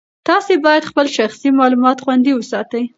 تاسي باید خپل شخصي معلومات خوندي وساتئ.